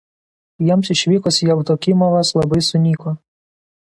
Jiems išvykus Jevdokimovas labai sunyko.